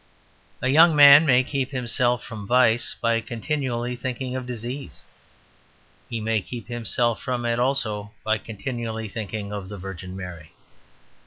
A young man may keep himself from vice by continually thinking of disease. He may keep himself from it also by continually thinking of the Virgin Mary.